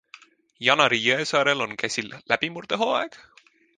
Janari Jõesaarel on käsil läbimurdehooaeg?